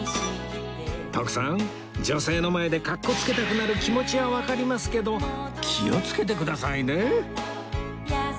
徳さん女性の前でかっこつけたくなる気持ちはわかりますけど気をつけてくださいね